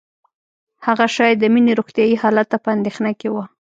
هغه شاید د مينې روغتیايي حالت ته په اندېښنه کې وه